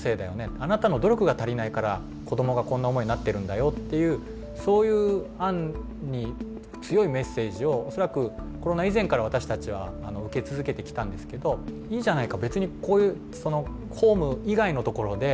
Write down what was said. あなたの努力が足りないからこどもがこんな思いになってるんだよっていうそういう暗に強いメッセージを恐らくコロナ以前から私たちは受け続けてきたんですけどいいじゃないか。